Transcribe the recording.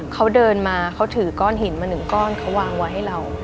เขาเดินมาเขาถือก้อนหินมาหนึ่งก้อนเขาวางไว้ให้เรา